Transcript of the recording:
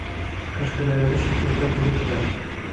Qashqadaryoda shirkatlar tugatilyapti